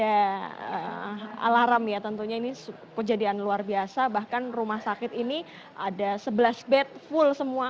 ada alarm ya tentunya ini kejadian luar biasa bahkan rumah sakit ini ada sebelas bed full semua